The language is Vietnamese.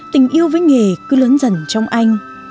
tình yêu với nghề cứ lớn dần trong anh